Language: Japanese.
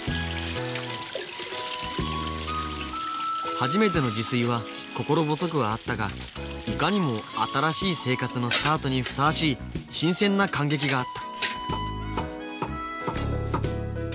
初めての自炊は心細くはあったがいかにも新しい生活のスタートにふさわしい新鮮な感激があった